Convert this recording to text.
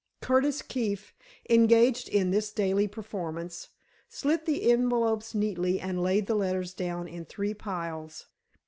Curtis Keefe, engaged in this daily performance, slit the envelopes neatly and laid the letters down in three piles.